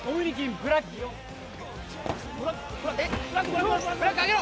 ブラック上げろ！